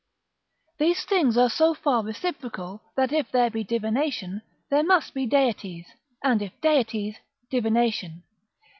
["These things are so far reciprocal that if there be divination, there must be deities; and if deities, divination."